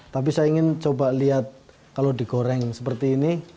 tapi saya ingin coba lihat kalau digoreng seperti ini